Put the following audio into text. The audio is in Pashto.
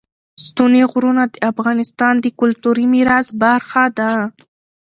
ستوني غرونه د افغانستان د کلتوري میراث برخه ده.